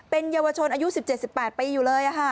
เป็นเยาวชนอายุสิบเจ็ดสิบแปดไปอยู่เลย